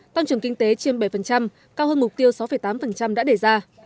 tăng trưởng kinh tế chiêm bảy cao hơn mục tiêu sáu tám đã đề ra